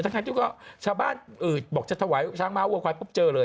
ทั้งที่ก็ชาวบ้านบอกจะถวายช้างม้าวัวควายปุ๊บเจอเลย